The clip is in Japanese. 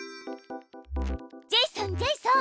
ジェイソンジェイソン！